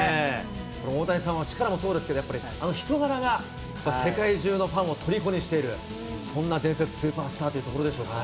大谷さんは力もそうですけど、やっぱりあの人柄が、世界中のファンをとりこにしている、そんな伝説スーパースターというところでしょうかね。